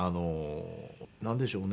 なんでしょうね。